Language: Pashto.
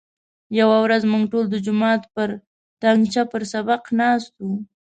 یوه ورځ موږ ټول د جومات پر تنګاچه پر سبق ناست وو.